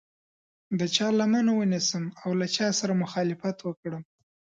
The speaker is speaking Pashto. د چا لمنه ونیسم او له چا سره مخالفت وکړم.